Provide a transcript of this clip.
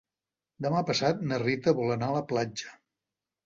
Demà passat na Rita vol anar a la platja.